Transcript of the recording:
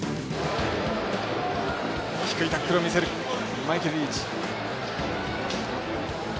低いタックルを見せるマイケル・リーチ。